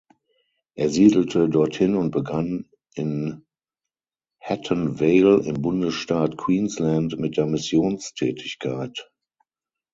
Er siedelte dorthin und begann in Hatton Vale im Bundesstaat Queensland mit der Missionstätigkeit.